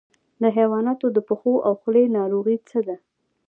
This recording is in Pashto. د حیواناتو د پښو او خولې ناروغي څه ده؟